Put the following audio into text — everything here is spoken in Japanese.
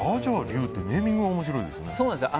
炸醤龍ってネーミングが面白いですね。